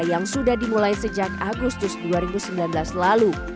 yang sudah dimulai sejak agustus dua ribu sembilan belas lalu